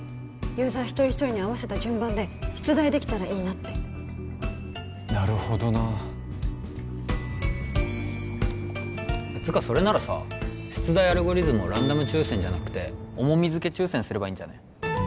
ユーザー一人一人に合わせた順番で出題できたらいいなってなるほどなつかそれならさ出題アルゴリズムをランダム抽選じゃなくて重み付け抽選すればいいんじゃね？